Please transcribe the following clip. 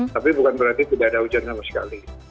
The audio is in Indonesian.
tapi bukan berarti tidak ada hujan sama sekali